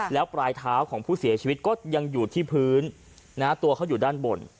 แล้วปลายเท้าของผู้เสียชีวิตก็ยังอยู่ที่พื้นตัวเขาอยู่ด้านบน